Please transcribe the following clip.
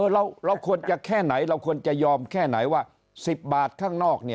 เราควรจะแค่ไหนเราควรจะยอมแค่ไหนว่า๑๐บาทข้างนอก